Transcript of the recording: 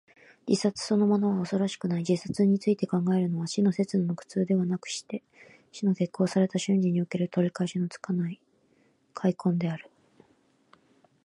自殺そのものは恐ろしくない。自殺について考えるのは、死の刹那の苦痛ではなくして、死の決行された瞬時における、取り返しのつかない悔恨である。